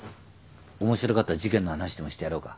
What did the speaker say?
面白かった事件の話でもしてやろうか？